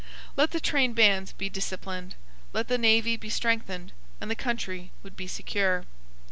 Let the trainbands be disciplined; let the navy be strengthened; and the country would be secure.